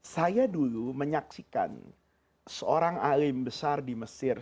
saya dulu menyaksikan seorang alim besar di mesir